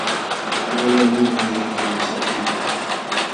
Alalaw nilmi ayqikun qasapiqta.